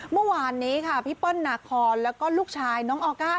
เมื่อวานนี้ค่ะพี่เปิ้ลนาคอนแล้วก็ลูกชายน้องออก้า